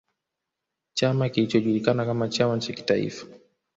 Chama kilichojulikana kama chama cha kitaifa